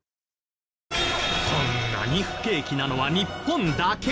こんなに不景気なのは日本だけ！？